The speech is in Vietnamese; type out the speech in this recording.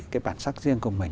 cái bản sắc riêng của mình